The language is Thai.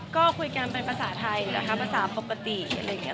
ก็คุยกันเป็นภาษาไทยเหรอคะภาษาปกติอะไรอย่างนี้